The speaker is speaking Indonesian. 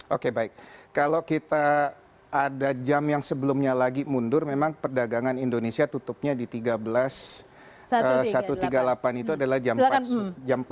oke baik kalau kita ada jam yang sebelumnya lagi mundur memang perdagangan indonesia tutupnya di tiga belas satu ratus tiga puluh delapan itu adalah jam empat